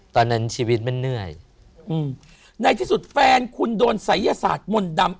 ตอนนั้นชีวิตมันเหนื่อยอืมในที่สุดแฟนคุณโดนศัยยศาสตร์มนต์ดำ